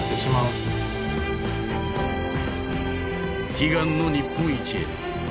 悲願の日本一へ。